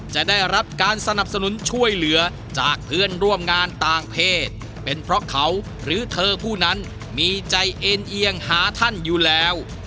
จะได้รับการสนับสนุนช่วยเหลือจากเพื่อนร่วมงานต่างเพศเป็นเพราะเขาหรือเธอผู้นั้นมีใจเอ็นเอียงหาท่านอยู่แล้ว